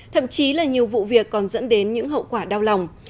thậm chí là nhiều vụ việc còn dẫn đến những hậu quả đau lòng